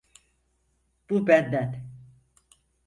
Bu benden.